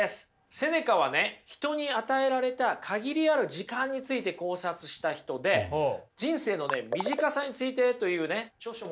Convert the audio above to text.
セネカはね人に与えられた限りある時間について考察した人で「人生の短さについて」というね著書も残してるんですよ。